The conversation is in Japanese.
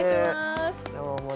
今日もね